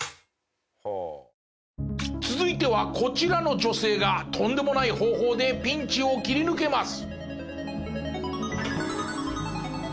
続いてはこちらの女性がとんでもない方法でピンチを切り抜けます。